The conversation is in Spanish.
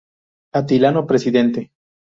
Atilano presidente.